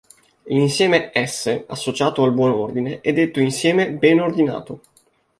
L'insieme "S" associato al buon ordine è detto insieme ben ordinato.